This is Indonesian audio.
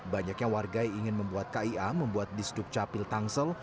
banyaknya warga ingin membuat kia membuat di sdukcapil tangsel